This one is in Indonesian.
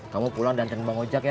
kamu pulang dan nantikan bang ojak ya